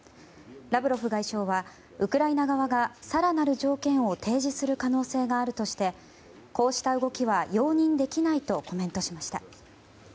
ラブロフ外相はウクライナ側が更なる条件を提示する可能性があるとしてこうした動きは容認できないとコメントしました。